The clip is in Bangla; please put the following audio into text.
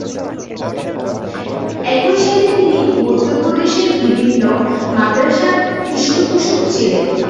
একইসাথে তিনি মধ্যপ্রদেশের বিভিন্ন মাদ্রাসার পৃষ্ঠপোষক ছিলেন।